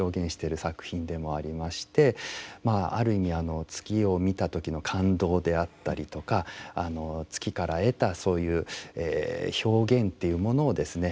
まあある意味月を見た時の感動であったりとか月から得たそういう表現というものをですね